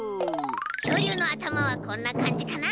きょうりゅうのあたまはこんなかんじかな？